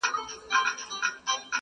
ستا د موسکا، ستا د ګلونو د ګېډیو وطن،